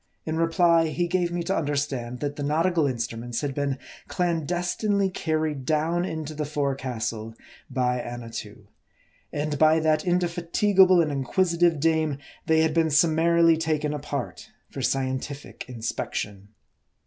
In reply, he gave me to understand, that the nautical instruments had been clandestinely carried dpwn into the forecastle by Annatoo ; and by that indefatigable and inquisitive dame they had been summarily taken apart for scientific inspection.